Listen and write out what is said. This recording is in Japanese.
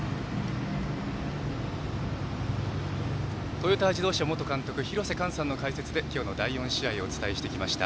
トヨタ自動車元監督廣瀬寛さんの解説で今日の第４試合をお伝えしてきました。